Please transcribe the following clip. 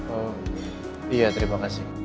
oh iya terima kasih